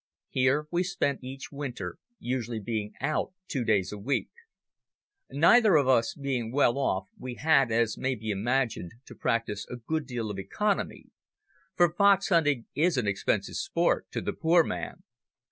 Here we spent each winter, usually being "out" two days a week. Neither of us being well off, we had, as may be imagined, to practise a good deal of economy, for fox hunting is an expensive sport to the poor man.